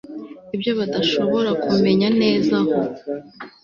Ibyo badashobora kumenya neza aho